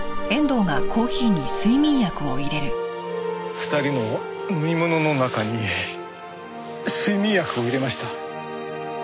２人の飲み物の中に睡眠薬を入れました。